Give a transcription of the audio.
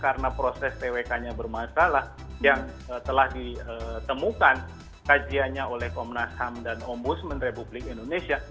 karena proses twk nya bermasalah yang telah ditemukan kajiannya oleh komnas ham dan ombudsman republik indonesia